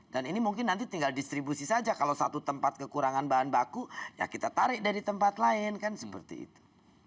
dan ini mungkin nanti tinggal distribusi saja kalau satu tempat kekurangan bahan baku ya kita tarik dari tempat lain kan seperti itu